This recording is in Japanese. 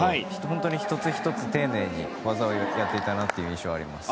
本当に１つ１つ丁寧に技をやっていたなという印象があります。